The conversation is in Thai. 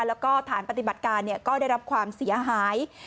แล้วก็ฐานปฏิบัติการก็ได้รับความเสียหาย